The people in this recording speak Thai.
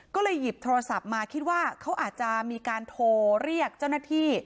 ก็เลยหยิบโทรศัพท์มาคิดว่าเขาอาจจะมีการโทรเรียกเจ้าหน้าที่